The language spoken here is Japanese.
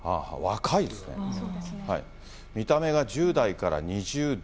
見た目が１０代から２０代。